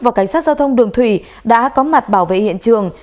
và cảnh sát giao thông đường thủy đã có mặt bảo vệ hiện trường